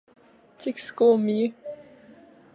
Cik skumji.